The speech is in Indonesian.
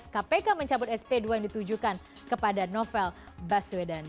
kpk mencabut sp dua yang ditujukan kepada novel baswedan